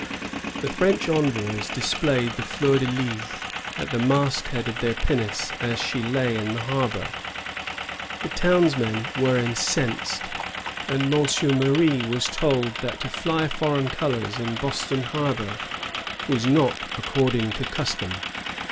The French envoys displayed the JUur de lys at the masthead of their pinnace as she lay in the harbor. The townsmen were incensed ; and Monsieur Marie was told that to fly foreign colors in Boston harbor was not according to custom.